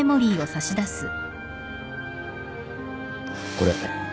これ